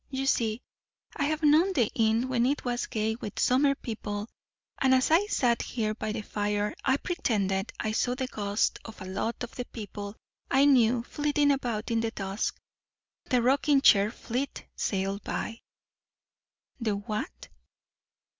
"You see, I have known the inn when it was gay with summer people, and as I sat here by the fire I pretended I saw the ghosts of a lot of the people I knew flitting about in the dusk. The rocking chair fleet sailed by " "The what?"